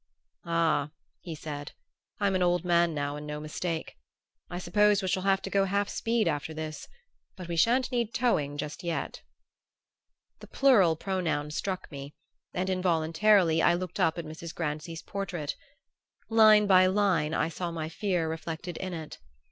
"Ah," he said, "I'm an old man now and no mistake. I suppose we shall have to go half speed after this; but we shan't need towing just yet!" The plural pronoun struck me, and involuntarily I looked up at Mrs. Grancy's portrait. Line by line I saw my fear reflected in it.